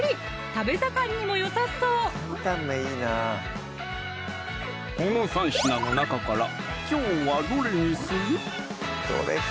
食べ盛りにもよさそうこの３品の中からきょうはどれにする？